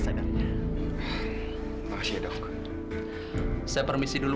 saya permisi dulu